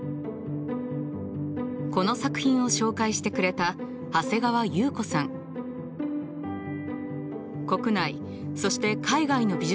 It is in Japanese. この作品を紹介してくれた国内そして海外の美術館の学芸員。